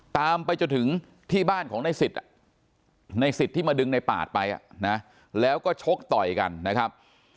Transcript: ตามไปจนถึงที่บ้านของในสิทธิ์ที่มาดึงในปาดไปแล้วก็ชกต่อยกันนะครับ